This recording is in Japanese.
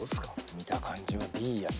見た感じはＢ。